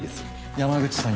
山口さん